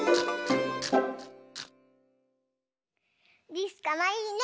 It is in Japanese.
りすかわいいね！